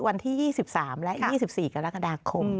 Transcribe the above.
วันที่๒๓และ๒๔กรกฎาคม